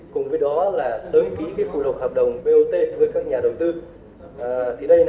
cùng với đó là sớm ký cái phủ lục hợp đồng bot với các nhà đầu tư